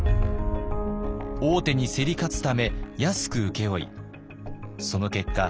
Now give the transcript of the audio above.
大手に競り勝つため安く請け負いその結果